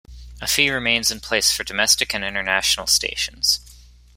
A fee remains in place for Domestic and International stations.